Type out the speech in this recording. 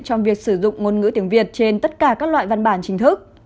trong việc sử dụng ngôn ngữ tiếng việt trên tất cả các loại văn bản chính thức